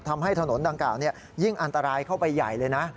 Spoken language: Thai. ทำให้ถนนดังกล่าวยิ่งอันตรายเข้าไปใหญ่เลยนะ